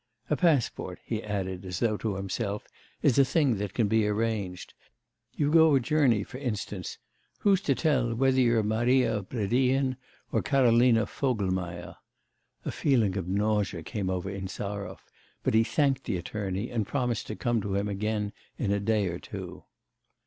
'A passport,' he added, as though to himself, 'is a thing that can be arranged; you go a journey, for instance; who's to tell whether you're Marya Bredihin or Karolina Vogel meier?' A feeling of nausea came over Insarov, but he thanked the attorney, and promised to come to him again in a day or two.